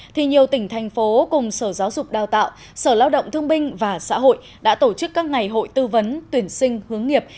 thì nhiều tỉnh thành phố cùng sở giáo dục đào tạo sở lao động thương binh và xã hội đã tổ chức các ngày hội tư vấn tuyển sinh hướng nghiệp